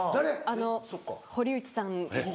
あの堀内さん。